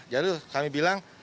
jadi kami bilang